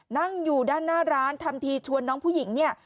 นั่งอยู่ด้านหน้าร้านทำทีชวนน้องผู้หญิงเนี่ย